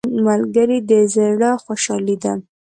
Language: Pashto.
ملګری د زړه خوشحالي ده